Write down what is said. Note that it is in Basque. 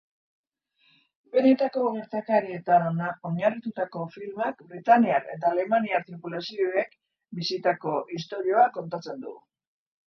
Benetako gertakarietan oinarritutako filmak britainiar eta alemaniar tripulazioek bizitako istorioa kontatzen du.